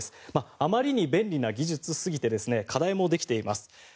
あまりに便利な技術すぎて課題も出てきています。